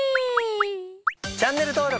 チャンネル登録。